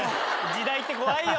時代って怖いよ